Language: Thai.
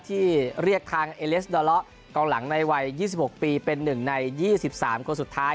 ที่เรียกทางเอเลสดอเลาะกองหลังในวัย๒๖ปีเป็น๑ใน๒๓คนสุดท้าย